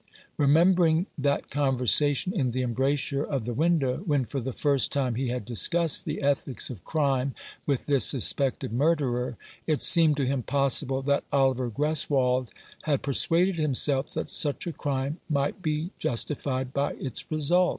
Remembering that conversation in the embrasure of the window, when for the first time he had discussed the ethics of crime with this suspected murderer, it seemed to him possible that Oliver Greswold had persuaded himself that such a crime might be justified by its results.